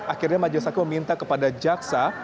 akhirnya majelis hakim meminta kepada jaksa